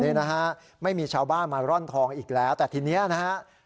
นี่นะฮะไม่มีชาวบ้านมาร่อนทองอีกแล้วแต่ทีนี้นะฮะ